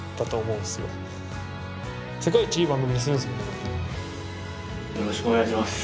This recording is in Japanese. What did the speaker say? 結果がよろしくお願いします。